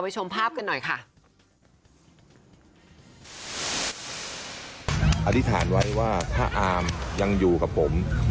จริฐานไว่ว่าถ้าอามยังอยู่กับผม